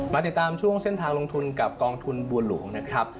ติดตามช่วงเส้นทางลงทุนกับกองทุนบัวหลวงนะครับ